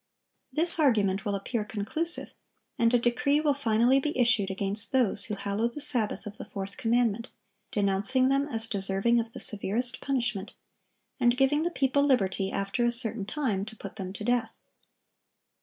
(1055) This argument will appear conclusive; and a decree will finally be issued against those who hallow the Sabbath of the fourth commandment, denouncing them as deserving of the severest punishment, and giving the people liberty, after a certain time, to put them to death.